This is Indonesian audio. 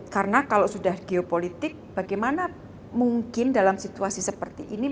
karena kalau sudah geopolitik bagaimana mungkin dalam situasi seperti ini